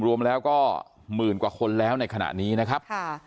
รวมแล้วก็หมื่นกว่าคนแล้วในขณะนี้นะครับ